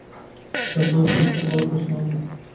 তারপর আসছে শীতে ভারতবর্ষে আগমন।